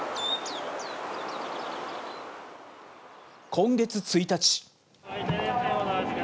今月１日。